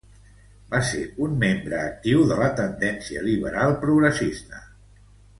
Va ser un membre actiu de la tendència liberal progressista.